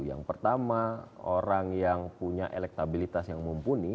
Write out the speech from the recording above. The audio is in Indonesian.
yang pertama orang yang punya elektabilitas yang mumpuni